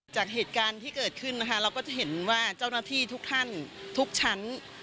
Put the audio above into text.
จากเหตุการณ์ที่เกิดขึ้นนะคะเราก็จะเห็นว่าเจ้าหน้าที่ทุกท่านทุกชั้น